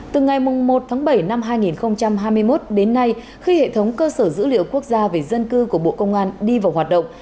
từ ngày một tháng bảy năm hai nghìn hai mươi một đến nay khi hệ thống cơ sở dữ liệu quốc gia về dân cư của bộ công an đi vào hoạt động